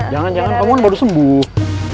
jangan jangan om kan baru sembuh